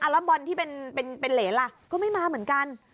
แล้วบอลที่เป็นเหรนล่ะก็ไม่มาเหมือนกัน